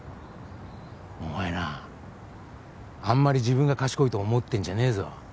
お前なあんまり自分が賢いと思ってんじゃねぇぞ